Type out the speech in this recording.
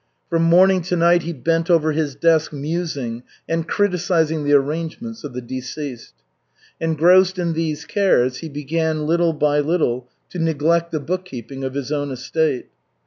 From morning to night he bent over his desk musing and criticizing the arrangements of the deceased. Engrossed in these cares he began little by little to neglect the bookkeeping of his own estate.